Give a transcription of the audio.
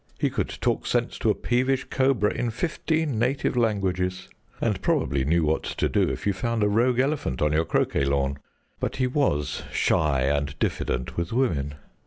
He could talk sense to a peevish cobra in fifteen native languages, and probably knew what to do if you found a rogue elephant on your croquet lawn; but he was shy and diffident with women.